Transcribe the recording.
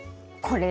これ。